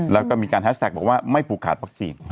แล้วก็มีการแฮสแท็กบอกว่าไม่ผูกขาดวัคซีน